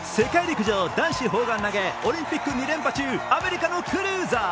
世界陸上男子砲丸投げオリンピック２連覇中アメリカのクルーザー。